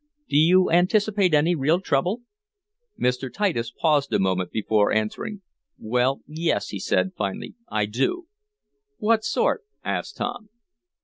"Do you anticipate any real trouble?" Mr. Titus paused a moment before answering. "Well, yes," he said, finally, "I do!" "What sort?" asked Tom.